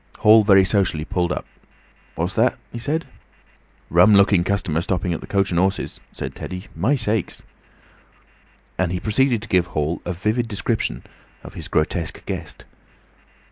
Hall very sociably pulled up. "What's that?" he asked. "Rum looking customer stopping at the 'Coach and Horses,'" said Teddy. "My sakes!" And he proceeded to give Hall a vivid description of his grotesque guest.